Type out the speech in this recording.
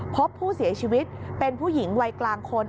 พบผู้เสียชีวิตเป็นผู้หญิงวัยกลางคน